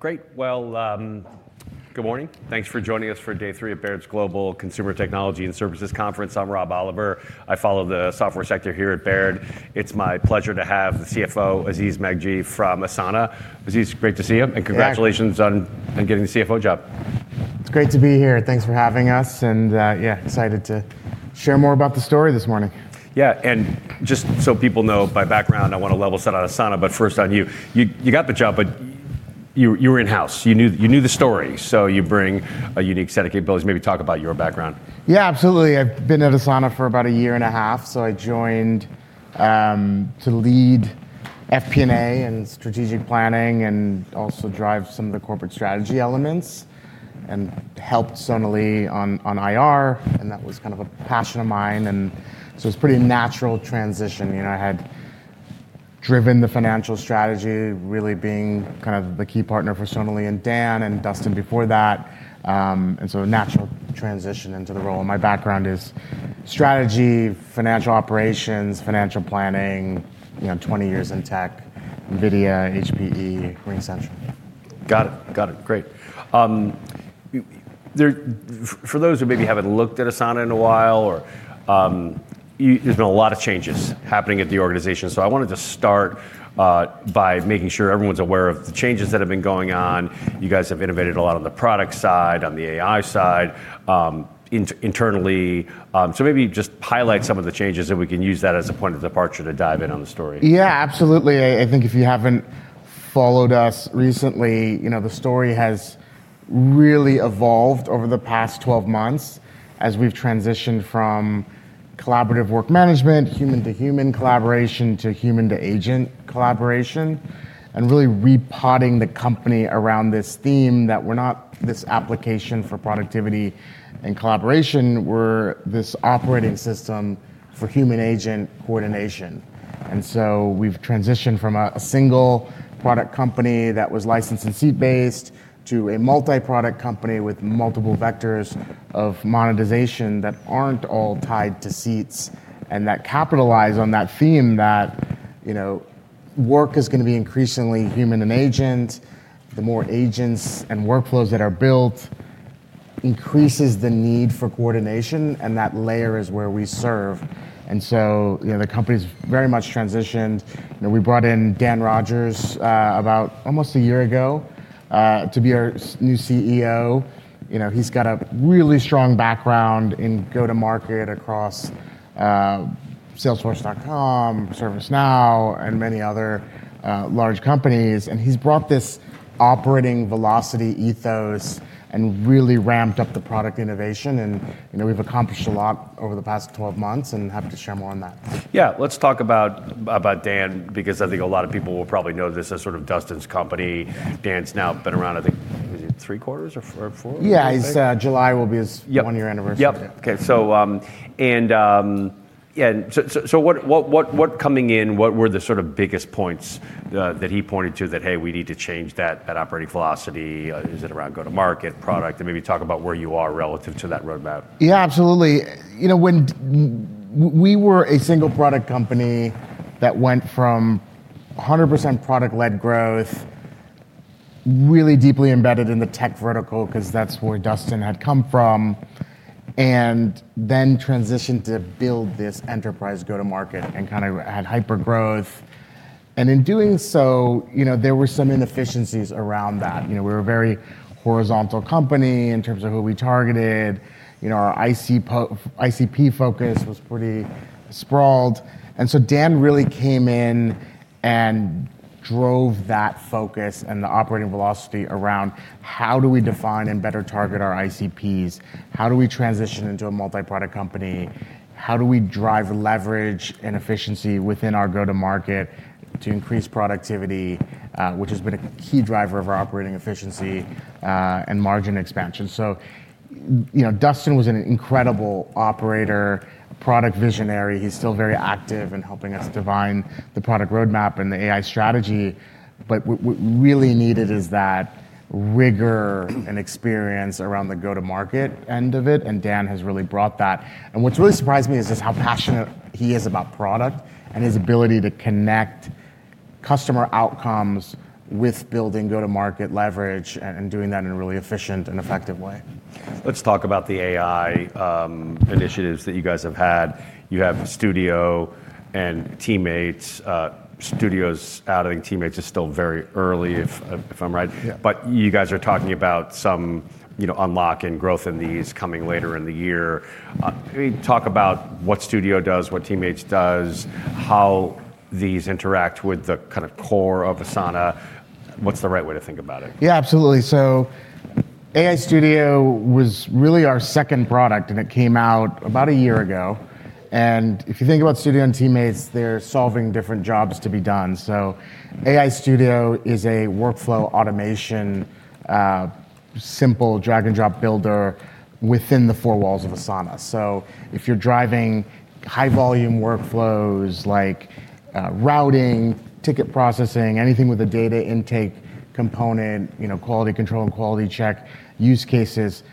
Great. Well, good morning. Thanks for joining us for day three of Baird's Global Consumer, Technology & Services Conference. I'm Rob Oliver. I follow the software sector here at Baird. It's my pleasure to have the CFO, Aziz Megji, from Asana. Aziz, great to see you. Congratulations on getting the CFO job. It's great to be here. Thanks for having us, excited to share more about the story this morning. Just so people know my background, I want to level set out Asana, first on you. You got the job, you were in-house. You knew the story. You bring a unique set of capabilities. Maybe talk about your background. Absolutely. I've been at Asana for about a year and a half. I joined to lead FP&A and strategic planning, also drive some of the corporate strategy elements, helped Sonali on IR, that was kind of a passion of mine, it's a pretty natural transition. I had driven the financial strategy, really being kind of the key partner for Sonali and Dan, and Dustin before that. A natural transition into the role. My background is strategy, financial operations, financial planning. 20 years in tech, NVIDIA, HPE, RingCentral. Got it. Great. For those who maybe haven't looked at Asana in a while, there's been a lot of changes happening at the organization. I wanted to start by making sure everyone's aware of the changes that have been going on. You guys have innovated a lot on the product side, on the AI side, internally. Maybe just highlight some of the changes, and we can use that as a point of departure to dive in on the story. Absolutely. I think if you haven't followed us recently, the story has really evolved over the past 12 months as we've transitioned from collaborative work management, human-to-human collaboration, to human-to-agent collaboration, and really repotting the company around this theme that we're not this application for productivity and collaboration. We're this operating system for human agent coordination. We've transitioned from a single product company that was licensed and seat-based to a multi-product company with multiple vectors of monetization that aren't all tied to seats, and that capitalize on that theme that work is going to be increasingly human and agent. The more agents and workflows that are built increases the need for coordination, and that layer is where we serve. The company's very much transitioned. We brought in Dan Rogers about almost a year ago, to be our new CEO. He's got a really strong background in go-to-market across salesforce.com, ServiceNow, and many other large companies. He's brought this operating velocity ethos and really ramped up the product innovation, and we've accomplished a lot over the past 12 months and happy to share more on that. Let's talk about Dan, because I think a lot of people will probably know this as sort of Dustin's company. Dan's now been around, I think, was it three quarters or four? Yeah. July will be his one-year anniversary. Okay. Coming in, what were the sort of biggest points that he pointed to that, hey, we need to change that operating velocity? Is it around go-to-market product? Maybe talk about where you are relative to that roadmap. Absolutely. When we were a single product company that went from 100% product-led growth, really deeply embedded in the tech vertical, because that's where Dustin had come from. Then transitioned to build this enterprise go-to-market and kind of had hyper growth. In doing so, there were some inefficiencies around that. We were a very horizontal company in terms of who we targeted. Our ICP focus was pretty sprawled. Dan really came in and drove that focus and the operating velocity around: How do we define and better target our ICPs? How do we transition into a multi-product company? How do we drive leverage and efficiency within our go-to-market to increase productivity, which has been a key driver of our operating efficiency, and margin expansion? Dustin was an incredible operator, product visionary. He's still very active in helping us define the product roadmap and the AI strategy. What's really needed is that rigor and experience around the go-to-market end of it, and Dan has really brought that. What's really surprised me is just how passionate he is about product and his ability to connect customer outcomes with building go-to-market leverage and doing that in a really efficient and effective way. Let's talk about the AI initiatives that you guys have had. You have Studio and Teammates. Studio's out. I think Teammates is still very early, if I'm right. Yeah. You guys are talking about some unlock in growth in these coming later in the year. Maybe talk about what Studio does, what Teammates does, how these interact with the kind of core of Asana. What's the right way to think about it? Absolutely. AI Studio was really our second product, and it came out about a year ago. If you think about Studio and Teammates, they're solving different jobs to be done. AI Studio is a workflow automation, simple drag-and-drop builder within the four walls of Asana. If you're driving high volume workflows like routing, ticket processing, anything with a data intake component, quality control and quality check use cases,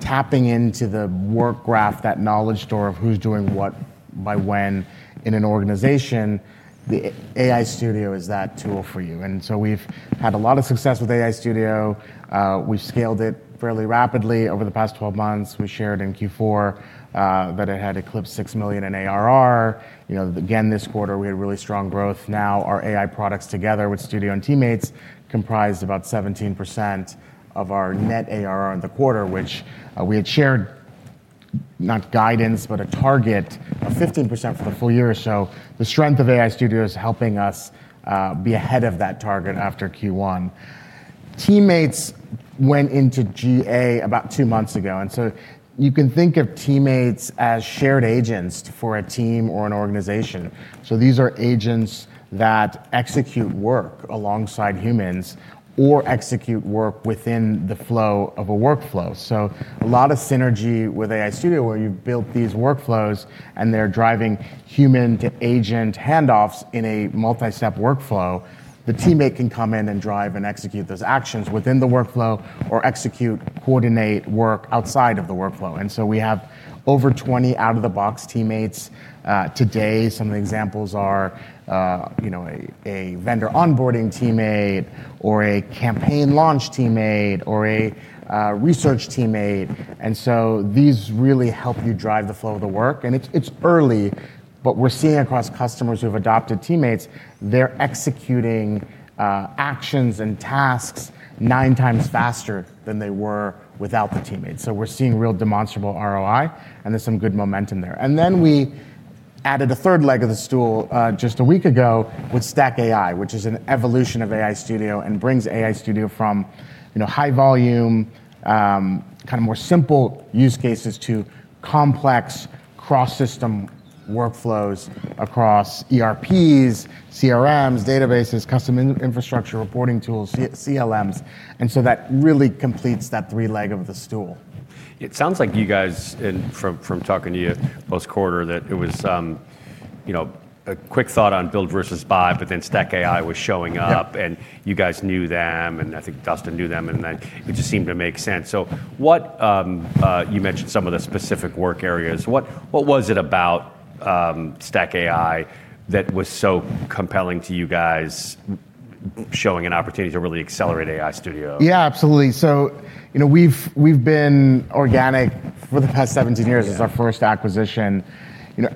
tapping into the Work Graph, that knowledge store of who's doing what by when in an organization, the AI Studio is that tool for you. We've had a lot of success with AI Studio. We've scaled it fairly rapidly over the past 12 months. We shared in Q4 that it had eclipsed $6 million in ARR. Again, this quarter, we had really strong growth. Our AI products together with Studio and Teammates comprise about 17% of our net ARR in the quarter, which we had shared not guidance, but a target of 15% for the full year. The strength of AI Studio is helping us be ahead of that target after Q1. Teammates went into GA about two months ago. You can think of Teammates as shared agents for a team or an organization. These are agents that execute work alongside humans or execute work within the flow of a workflow. A lot of synergy with AI Studio, where you build these workflows and they're driving human-to-agent handoffs in a multi-step workflow. The Teammates can come in and drive and execute those actions within the workflow or execute, coordinate work outside of the workflow. We have over 20 out-of-the-box Teammates today. Some of the examples are a vendor onboarding Teammates or a campaign launch Teammates or a research Teammates. These really help you drive the flow of the work, and it's early, but we're seeing across customers who have adopted Teammates, they're executing actions and tasks nine times faster than they were without the Teammates. We're seeing real demonstrable ROI, and there's some good momentum there. We added a third leg of the stool just a week ago with StackAI, which is an evolution of AI Studio and brings AI Studio from high volume, more simple use cases to complex cross-system workflows across ERPs, CRMs, databases, custom infrastructure, reporting tools, CLMs, that really completes that three leg of the stool. It sounds like you guys, and from talking to you post quarter, that it was a quick thought on build versus buy, but then StackAI was showing up. You guys knew them, and I think Dustin knew them, and it just seemed to make sense. You mentioned some of the specific work areas. What was it about StackAI that was so compelling to you guys, showing an opportunity to really accelerate AI Studio? Absolutely. We've been organic for the past 17 years. This is our first acquisition.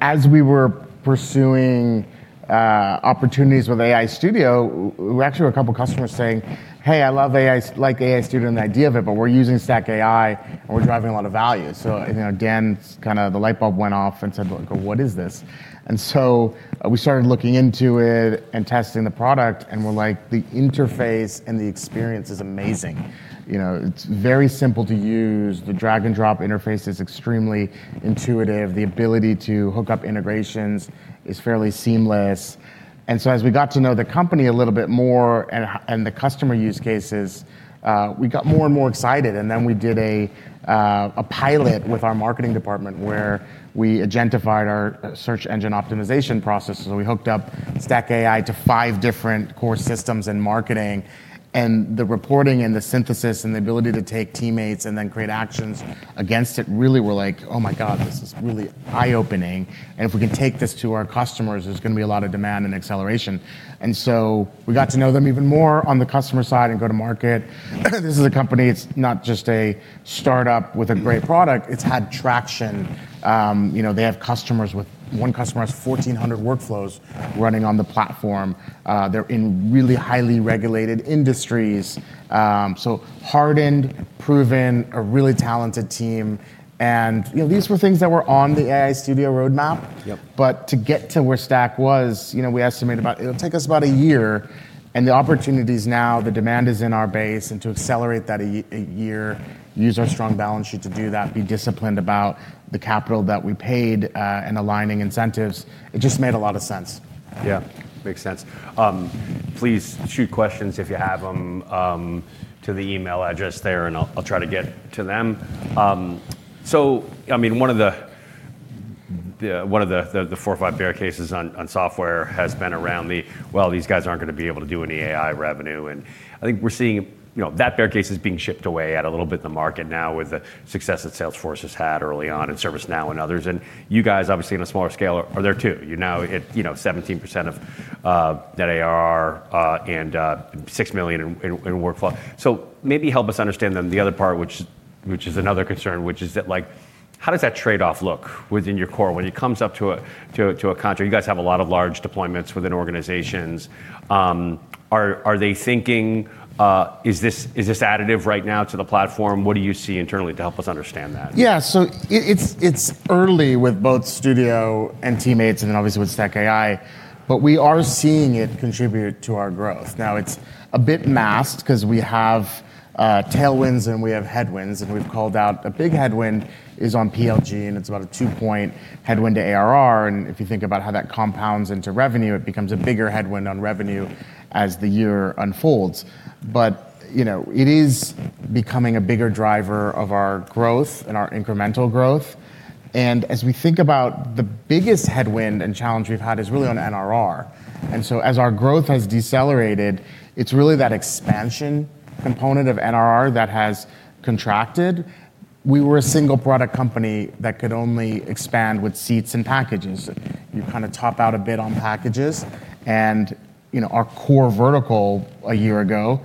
As we were pursuing opportunities with AI Studio, we were actually a couple of customers saying, hey, I like AI Studio and the idea of it, but we're using StackAI, and we're driving a lot of value. Again, the light bulb went off and said, well, what is this? We started looking into it and testing the product, and we're like, the interface and the experience is amazing. It's very simple to use. The drag-and-drop interface is extremely intuitive. The ability to hook up integrations is fairly seamless. As we got to know the company a little bit more and the customer use cases, we got more and more excited. We did a pilot with our marketing department where we agentified our search engine optimization process. We hooked up StackAI to five different core systems in marketing, and the reporting and the synthesis and the ability to take Teammates and then create actions against it really were like, oh my God, this is really eye-opening, and if we can take this to our customers, there's going to be a lot of demand and acceleration. We got to know them even more on the customer side and go-to-market. This is a company, it's not just a startup with a great product. It's had traction. One customer has 1,400 workflows running on the platform. They're in really highly-regulated industries. Hardened, proven, a really talented team, and these were things that were on the AI Studio roadmap. To get to where Stack was, we estimate it'll take us about a year, and the opportunities now, the demand is in our base, and to accelerate that a year, use our strong balance sheet to do that, be disciplined about the capital that we paid, and aligning incentives, it just made a lot of sense. Makes sense. Please shoot questions if you have them to the email address there, and I'll try to get to them. One of the four or five bear cases on software has been around the, well, these guys aren't going to be able to do any AI revenue. I think we're seeing that bear case is being chipped away at a little bit in the market now with the success that Salesforce has had early on and ServiceNow and others. You guys, obviously on a smaller scale, are there too. You're now at 17% of net ARR and $6 million in workflow. Maybe help us understand then the other part, which is another concern, which is that how does that trade-off look within your core when it comes up to a contract? You guys have a lot of large deployments within organizations. Are they thinking, is this additive right now to the platform? What do you see internally to help us understand that? It's early with both Studio and Teammates and obviously with StackAI, but we are seeing it contribute to our growth. It's a bit masked because we have tailwinds and we have headwinds, and we've called out a big headwind is on PLG, and it's about a two-point headwind to ARR. If you think about how that compounds into revenue, it becomes a bigger headwind on revenue as the year unfolds. It is becoming a bigger driver of our growth and our incremental growth. As we think about the biggest headwind and challenge we've had is really on NRR. As our growth has decelerated, it's really that expansion component of NRR that has contracted. We were a single product company that could only expand with seats and packages. You kind of top out a bit on packages and our core vertical a year ago,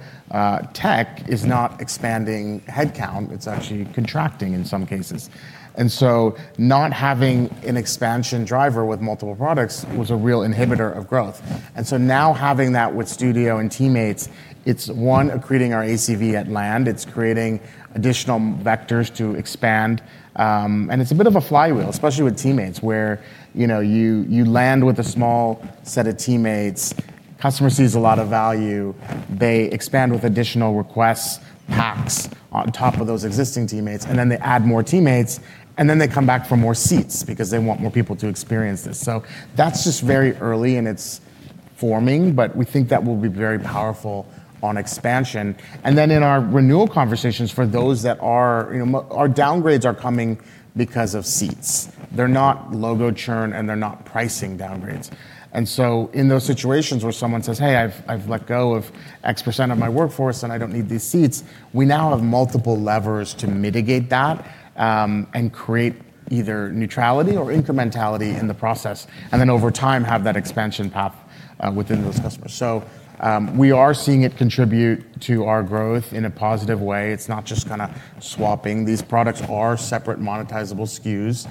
tech, is not expanding headcount, it's actually contracting in some cases. Not having an expansion driver with multiple products was a real inhibitor of growth. Now, having that with Studio and Teammates, it's one, creating our ACV at land, it's creating additional vectors to expand. It's a bit of a flywheel, especially with Teammates, where you land with a small set of Teammates, customer sees a lot of value, they expand with additional requests, packs on top of those existing Teammates, they add more Teammates, they come back for more seats because they want more people to experience this. That's just very early and it's forming, but we think that will be very powerful on expansion. Then in our renewal conversations, our downgrades are coming because of seats. They're not logo churn and they're not pricing downgrades. In those situations where someone says, hey, I've let go of X percent of my workforce and I don't need these seats, we now have multiple levers to mitigate that, and create either neutrality or incrementality in the process, and then over time have that expansion path within those customers. We are seeing it contribute to our growth in a positive way. It's not just kind of swapping. These products are separate monetizable SKUs.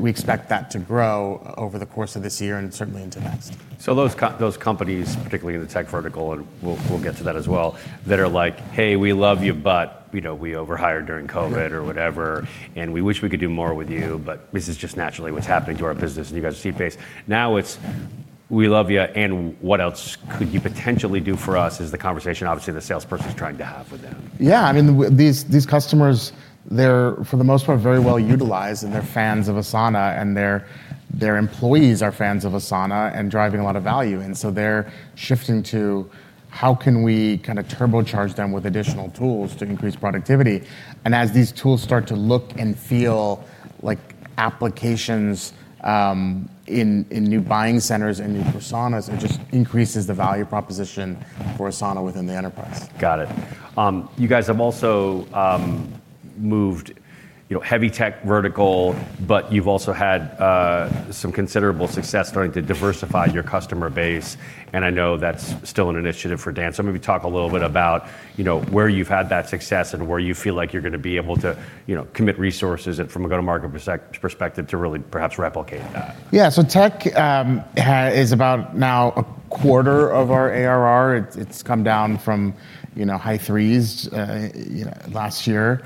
We expect that to grow over the course of this year and certainly into next. Those companies, particularly in the tech vertical, and we'll get to that as well, that are like, hey, we love you, but we overhired during COVID or whatever, and we wish we could do more with you, but this is just naturally what's happening to our business, and you guys are seat-based. Now, it's, we love you, and what else could you potentially do for us is the conversation obviously the salesperson's trying to have with them. These customers, they're for the most part very well utilized, and they're fans of Asana, and their employees are fans of Asana and driving a lot of value in. They're shifting to how can we kind of turbocharge them with additional tools to increase productivity. As these tools start to look and feel like applications in new buying centers and new personas, it just increases the value proposition for Asana within the enterprise. Got it. You guys have also moved heavy tech vertical, but you've also had some considerable success starting to diversify your customer base, and I know that's still an initiative for Dan. Maybe talk a little bit about where you've had that success and where you feel like you're going to be able to commit resources from a go-to-market perspective to really perhaps replicate that. Tech is about now 1/4 of our ARR. It's come down from high 3% last year.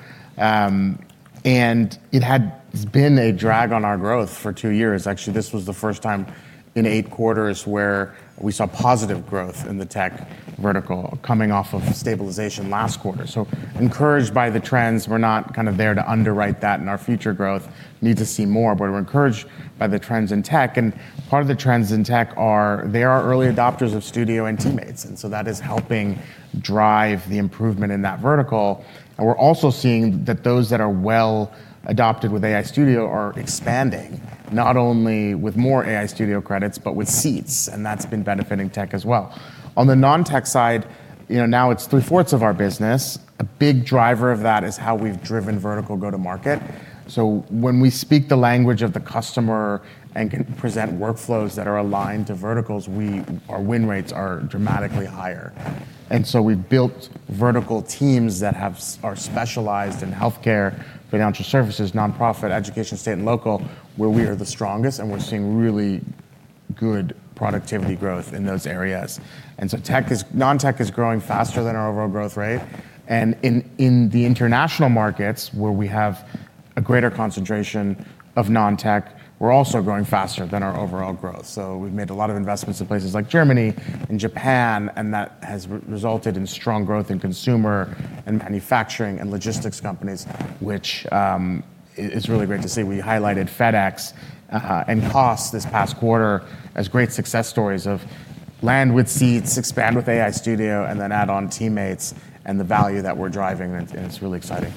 It had been a drag on our growth for two years. Actually, this was the first time in eight quarters where we saw positive growth in the tech vertical coming off of stabilization last quarter. Encouraged by the trends. We're not there to underwrite that in our future growth, need to see more. We're encouraged by the trends in tech. Part of the trends in tech are they are early adopters of Studio and Teammates, that is helping drive the improvement in that vertical. We're also seeing that those that are well adopted with AI Studio are expanding, not only with more AI Studio credits, but with seats, that's been benefiting tech as well. On the non-tech side, now it's 3/4 of our business. A big driver of that is how we've driven vertical go-to-market. When we speak the language of the customer and can present workflows that are aligned to verticals, our win rates are dramatically higher. We've built vertical teams that are specialized in healthcare, financial services, nonprofit, education, state, and local, where we are the strongest, and we're seeing really good productivity growth in those areas. Non-tech is growing faster than our overall growth rate, and in the international markets where we have a greater concentration of non-tech, we're also growing faster than our overall growth. We've made a lot of investments in places like Germany and Japan, and that has resulted in strong growth in consumer and manufacturing and logistics companies, which is really great to see. We highlighted FedEx and Costco this past quarter as great success stories of land with seats, expand with AI Studio, and then add on Teammates and the value that we're driving, and it's really exciting.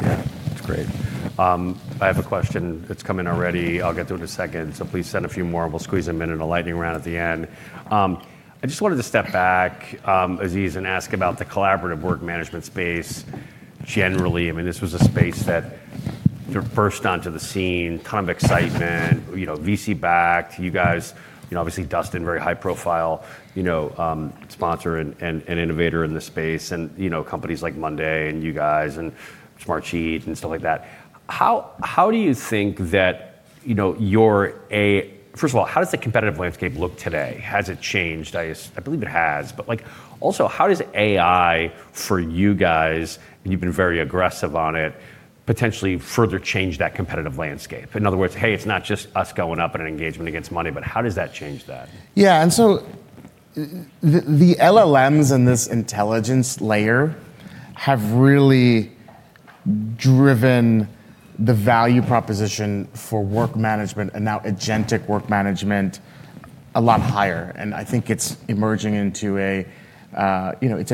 That's great. I have a question that's come in already. I'll get to it in a second, please send a few more and we'll squeeze them in in a lightning round at the end. I just wanted to step back, Aziz, and ask about the collaborative work management space generally. This was a space that you're first onto the scene, kind of excitement, VC-backed. You guys, obviously Dustin, very high profile sponsor and innovator in the space, and companies like Monday and you guys and Smartsheet and stuff like that. First of all, how does the competitive landscape look today? Has it changed? I believe it has. Also how does AI for you guys, and you've been very aggressive on it, potentially further change that competitive landscape? In other words, hey, it's not just us going up in an engagement against Monday, but how does that change that? The LLMs and this intelligence layer have really driven the value proposition for work management and now agentic work management a lot higher. I think it's emerging into a—it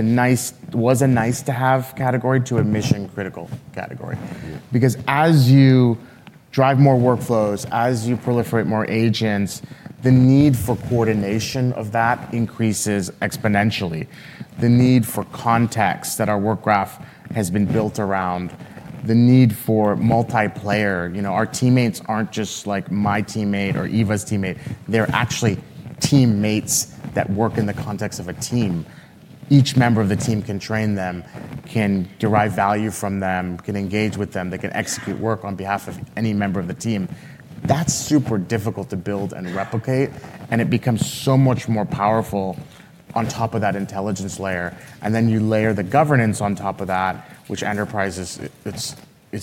was a nice-to-have category to a mission-critical category. Because as you drive more workflows, as you proliferate more agents, the need for coordination of that increases exponentially. The need for context that our Work Graph has been built around, the need for multiplayer. Our Teammates aren't just my Teammates or Eva's Teammates, they're actually Teammates that work in the context of a team. Each member of the team can train them, can derive value from them, can engage with them. They can execute work on behalf of any member of the team. That's super difficult to build and replicate, and it becomes so much more powerful on top of that intelligence layer. Then you layer the governance on top of that, which it's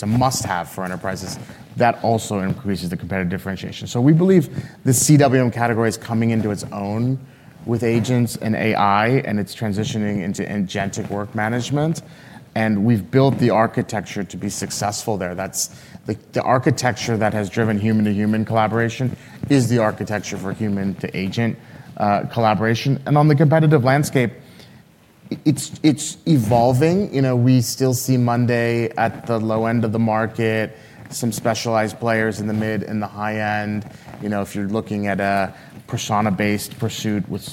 a must-have for enterprises. That also increases the competitive differentiation. We believe the CWM category is coming into its own with agents and AI, and it's transitioning into agentic work management, and we've built the architecture to be successful there. The architecture that has driven human-to-human collaboration is the architecture for human-to-agent collaboration. On the competitive landscape, it's evolving. We still see Monday at the low end of the market, some specialized players in the mid- and the high-end. If you're looking at a persona-based pursuit with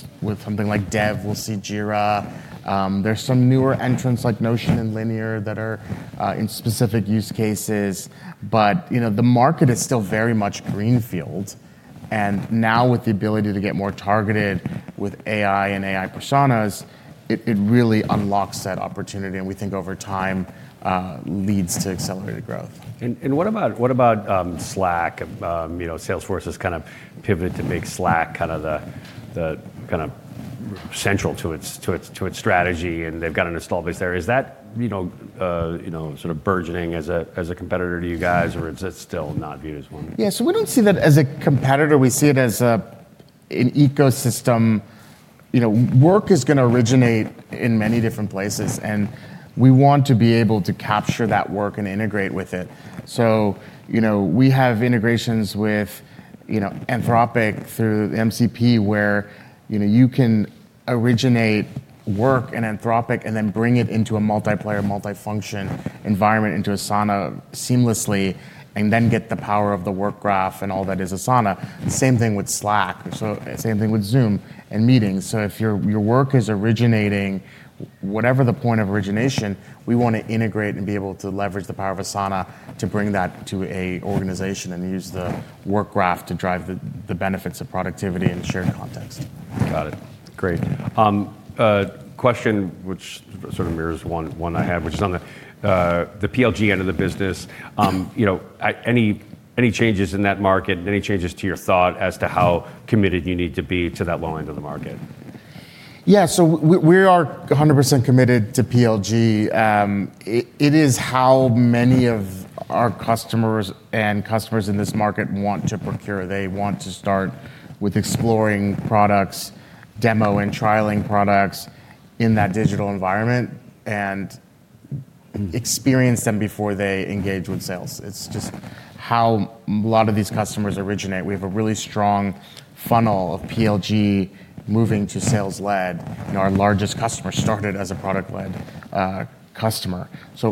something like dev, we'll see Jira. There's some newer entrants like Notion and Linear that are in specific use cases. The market is still very much greenfield. Now, with the ability to get more targeted with AI and AI personas, it really unlocks that opportunity and we think over time, leads to accelerated growth. What about Slack? Salesforce has kind of pivoted to make Slack kind of central to its strategy, and they've got an install base there. Is that burgeoning as a competitor to you guys, or is it still not viewed as one? We don't see that as a competitor. We see it as an ecosystem. Work is going to originate in many different places, and we want to be able to capture that work and integrate with it. We have integrations with Anthropic through MCP, where you can originate work in Anthropic, and then bring it into a multiplayer, multifunction environment into Asana seamlessly, and then get the power of the Work Graph and all that is Asana. Same thing with Slack, same thing with Zoom and Meetings. If your work is originating, whatever the point of origination, we want to integrate and be able to leverage the power of Asana to bring that to an organization and use the Work Graph to drive the benefits of productivity and shared context. Got it. Great. A question which sort of mirrors one I had, which is on the PLG end of the business. Any changes in that market? Any changes to your thought as to how committed you need to be to that low end of the market? We are 100% committed to PLG. It is how many of our customers and customers in this market want to procure. They want to start with exploring products, demo and trialing products in that digital environment, and experience them before they engage with sales. It's just how a lot of these customers originate. We have a really strong funnel of PLG moving to sales-led, and our largest customer started as a product-led customer.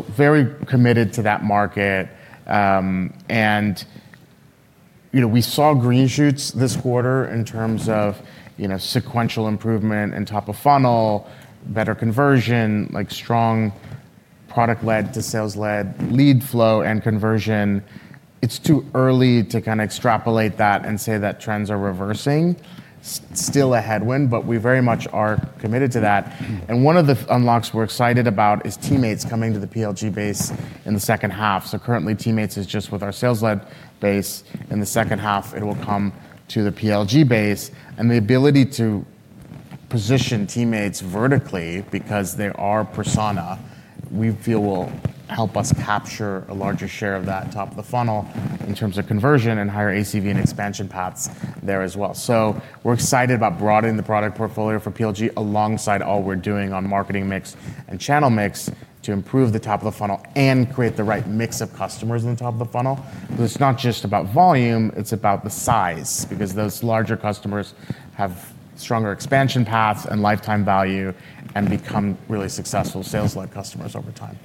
Very committed to that market. We saw green shoots this quarter in terms of sequential improvement and top of funnel, better conversion, strong product-led to sales-led lead flow and conversion. It's too early to kind of extrapolate that and say that trends are reversing. Still a headwind, but we very much are committed to that. One of the unlocks we're excited about is Teammates coming to the PLG base in the second half. Currently, Teammates is just with our sales-led base. In the second half, it will come to the PLG base. The ability to position Teammates vertically because they are persona, we feel will help us capture a larger share of that top of the funnel in terms of conversion and higher ACV and expansion paths there as well. We're excited about broadening the product portfolio for PLG alongside all we're doing on marketing mix and channel mix to improve the top of the funnel and create the right mix of customers in the top of the funnel. It's not just about volume, it's about the size. Those larger customers have stronger expansion paths and lifetime value, and become really successful sales-led customers over time.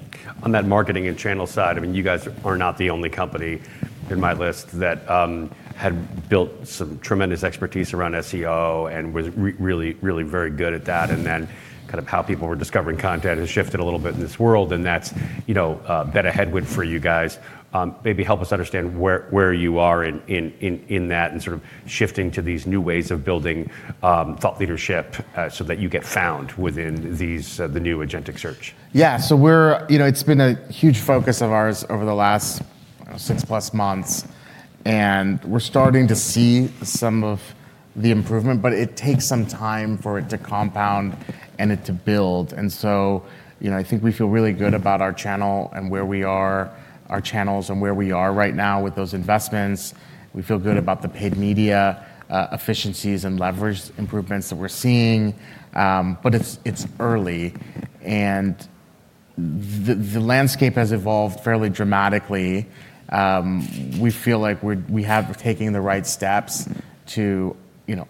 On that marketing and channel side, you guys are not the only company in my list that had built some tremendous expertise around SEO and was really very good at that. How people were discovering content has shifted a little bit in this world, and that's been a headwind for you guys. Maybe help us understand where you are in that, and sort of shifting to these new ways of building thought leadership so that you get found within the new agentic search. It's been a huge focus of ours over the last six plus months, and we're starting to see some of the improvement, but it takes some time for it to compound and it to build. I think we feel really good about our channels and where we are right now with those investments. We feel good about the paid media efficiencies and leverage improvements that we're seeing. It's early, and the landscape has evolved fairly dramatically. We feel like we're taking the right steps to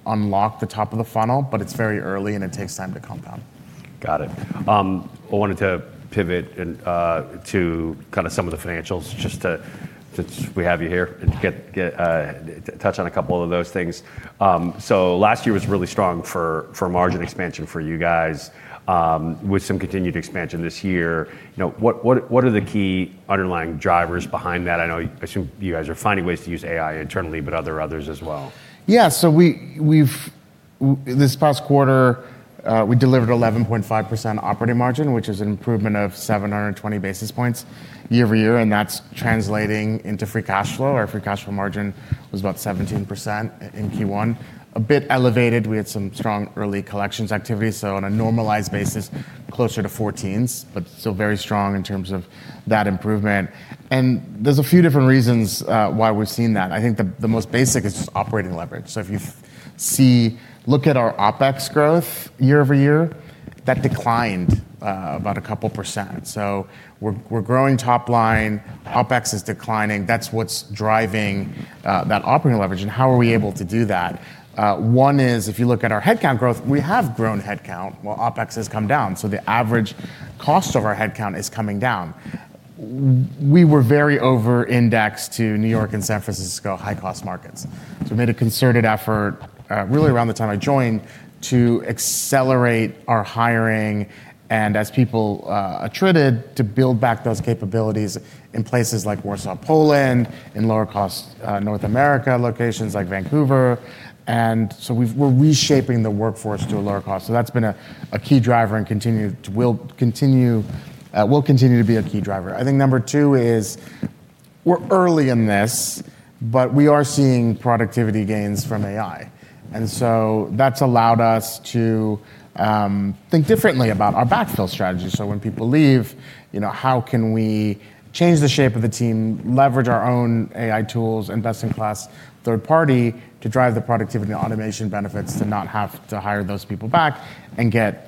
unlock the top of the funnel. It's very early, and it takes time to compound. Got it. I wanted to pivot to some of the financials, just since we have you here, to touch on a couple of those things. Last year was really strong for margin expansion for you guys with some continued expansion this year. What are the key underlying drivers behind that? I assume you guys are finding ways to use AI internally, but others as well. This past quarter, we delivered 11.5% operating margin, which is an improvement of 720 basis points year-over-year, that's translating into free cash flow. Our free cash flow margin was about 17% in Q1. A bit elevated. We had some strong early collections activity, on a normalized basis, closer to 14%, still very strong in terms of that improvement. There's a few different reasons why we've seen that. I think the most basic is just operating leverage. If you look at our OpEx growth year-over-year, that declined about a couple percent. We're growing top-line. OpEx is declining. That's what's driving that operating leverage. How are we able to do that? One is, if you look at our headcount growth, we have grown headcount while OpEx has come down, the average cost of our headcount is coming down. We were very over-indexed to New York and San Francisco, high-cost markets. We made a concerted effort, really around the time I joined, to accelerate our hiring and as people attrited, to build back those capabilities in places like Warsaw, Poland, in lower cost North America locations like Vancouver. We're reshaping the workforce to a lower cost. That's been a key driver and will continue to be a key driver. I think number two is we're early in this, but we are seeing productivity gains from AI, that's allowed us to think differently about our backfill strategy. When people leave, how can we change the shape of a team, leverage our own AI tools, and best-in-class third party to drive the productivity and automation benefits to not have to hire those people back and get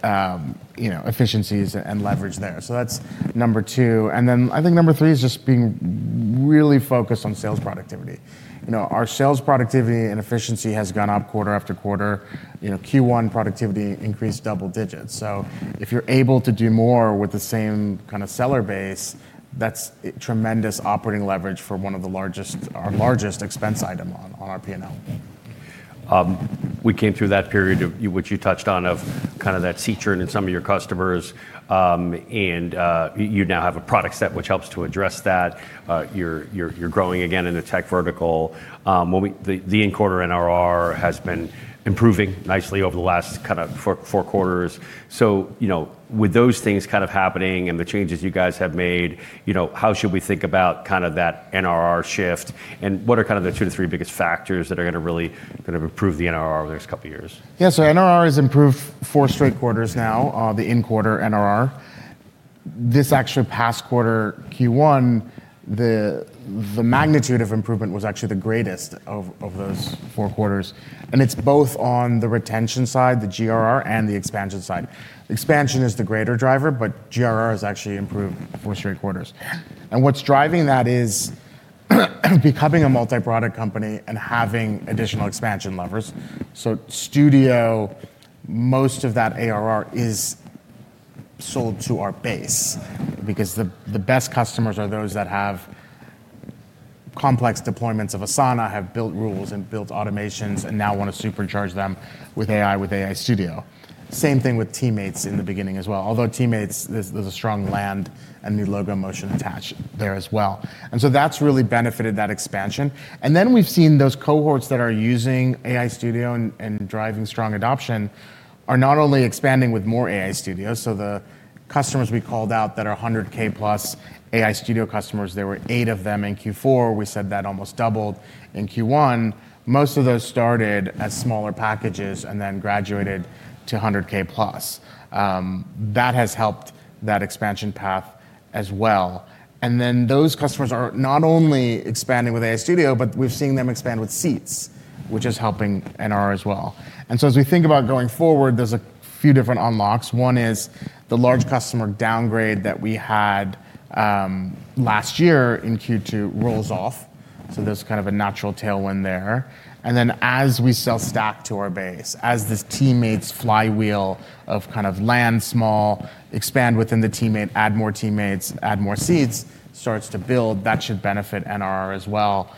efficiencies and leverage there? That's number two. I think number three is just being really focused on sales productivity. Our sales productivity and efficiency has gone up quarter after quarter. Q1 productivity increased double-digits. If you're able to do more with the same kind of seller base, that's tremendous operating leverage for one of our largest expense item on our P&L. We came through that period, which you touched on, of that churn in some of your customers. You now have a product set which helps to address that. You're growing again in the tech vertical. The in-quarter NRR has been improving nicely over the last four quarters. With those things happening and the changes you guys have made, how should we think about that NRR shift, and what are the two to three biggest factors that are going to really improve the NRR over the next couple of years? NRR has improved four straight quarters now, the in-quarter NRR. This actual past quarter, Q1, the magnitude of improvement was actually the greatest of those four quarters, and it's both on the retention side, the GRR, and the expansion side. Expansion is the greater driver, GRR has actually improved four straight quarters. What's driving that is becoming a multi-product company and having additional expansion levers. Studio, most of that ARR is sold to our base because the best customers are those that have complex deployments of Asana, have built rules and built automations, and now want to supercharge them with AI, with AI Studio. Same thing with Teammates in the beginning as well. Although Teammates, there's a strong land and new logo motion attached there as well. That's really benefited that expansion. We've seen those cohorts that are using AI Studio and driving strong adoption are not only expanding with more AI Studio, so the customers we called out that are $100,000+ AI Studio customers, there were eight of them in Q4. We said that almost doubled in Q1. Most of those started as smaller packages and then graduated to $100,000+. That has helped that expansion path as well. Those customers are not only expanding with AI Studio, but we're seeing them expand with seats, which is helping NRR as well. As we think about going forward, there's a few different unlocks. One is the large customer downgrade that we had last year in Q2 rolls off, so there's kind of a natural tailwind there. As we sell Stack to our base, as this Teammates flywheel of kind of land small, expand within the Teammates, add more Teammates, add more seats, starts to build, that should benefit NRR as well.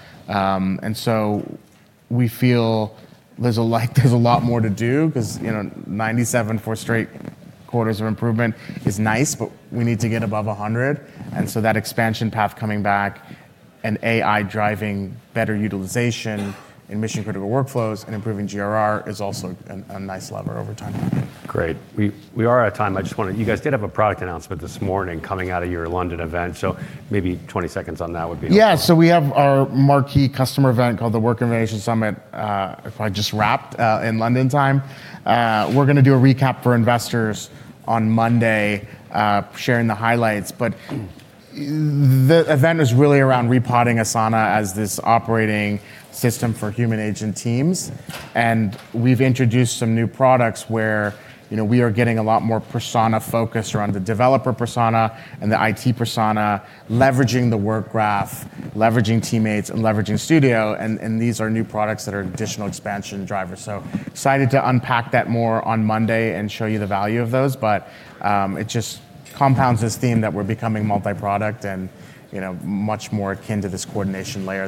We feel there's a lot more to do because 97 four straight quarters of improvement is nice, but we need to get above 100. That expansion path coming back and AI driving better utilization in mission-critical workflows and improving GRR is also a nice lever over time. Great. We are at time. You guys did have a product announcement this morning coming out of your London event, maybe 20 seconds on that would be- We have our marquee customer event called the Work Innovation Summit. It probably just wrapped in London time. We're going to do a recap for investors on Monday, sharing the highlights. The event is really around repotting Asana as this operating system for human agent teams, and we've introduced some new products where we are getting a lot more persona focus around the developer persona and the IT persona, leveraging the Work Graph, leveraging Teammates, and leveraging Studio, and these are new products that are additional expansion drivers. Excited to unpack that more on Monday and show you the value of those. It just compounds this theme that we're becoming multi-product and much more akin to this coordination layer.